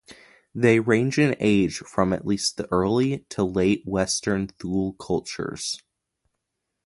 They range in age from at least the Early to Late Western Thule cultures.